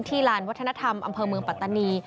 ลานวัฒนธรรมอำเภอเมืองปัตตานี